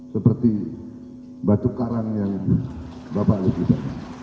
seperti batu karang yang bapak alis bisa